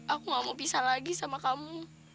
aku gak mau pisah lagi sama kamu